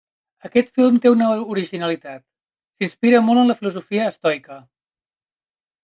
Aquest film té una originalitat: s'inspira molt en la filosofia estoica.